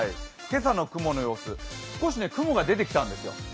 今朝の雲の様子、少し雲が出てきたんですよ。